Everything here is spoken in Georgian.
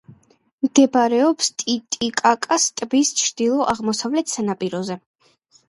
მდებარეობს ტიტიკაკას ტბის ჩრდილო-აღმოსავლეთ სანაპიროზე.